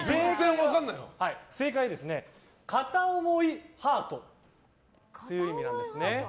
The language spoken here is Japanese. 正解は、片思いハートという意味なんですね。